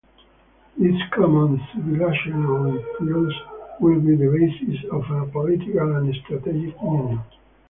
This common civilisational impulse will be the basis of a political and strategic union.